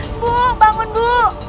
ibu bangun bu